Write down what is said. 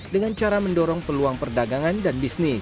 dengan cara mendorong peluang perdagangan dan bisnis